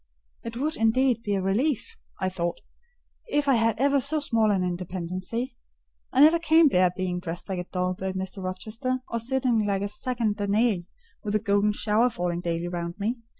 "It would, indeed, be a relief," I thought, "if I had ever so small an independency; I never can bear being dressed like a doll by Mr. Rochester, or sitting like a second Danae with the golden shower falling daily round me.